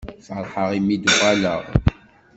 Feṛḥeɣ imi i d-uɣaleɣ.